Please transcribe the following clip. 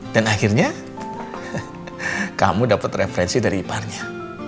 dan akhirnya kamu dapat referensi dari iparnya